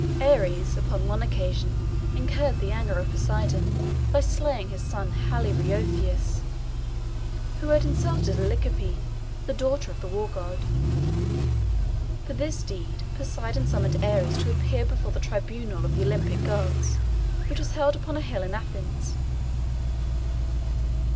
Ares, upon one occasion, incurred the anger of Poseidon by slaying his son Halirrhothios, who had insulted Alcippe, the daughter of the war god. For this deed, Poseidon summoned Ares to appear before the tribunal of the Olympic gods, which was held upon a hill in Athens.